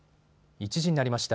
１時になりました。